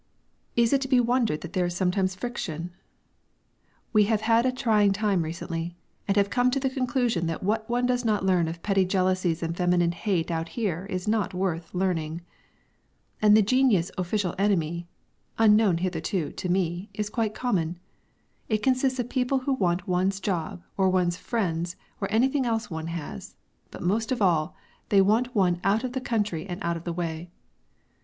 Is it to be wondered that there is sometimes friction? We have had a trying time recently, and have come to the conclusion that what one does not learn of petty jealousy and feminine hate out here is not worth learning! And the genus "official enemy" unknown, hitherto, to me is quite common. It consists of people who want one's job, or one's friends, or anything else one has; but, most of all, they want one out of the country and out of the way.